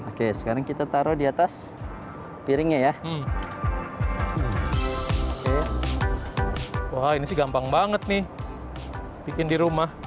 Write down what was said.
oke sekarang kita taruh di atas piringnya ya wah ini sih gampang banget nih bikin di rumah